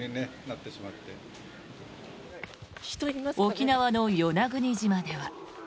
沖縄の与那国島では。